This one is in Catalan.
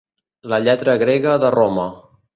La lletra grega de Roma.